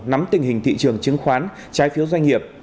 nắm tình hình thị trường chứng khoán trái phiếu doanh nghiệp